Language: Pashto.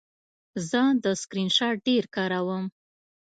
زه د سکرین شاټ ډېر کاروم.